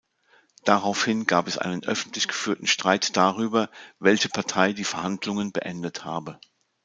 Daraufhin gab es einen öffentlich-geführten Streit darüber, welche Partei die Verhandlungen beendet habe.